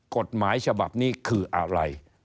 กฎหมายฉบับนี้คืออะไร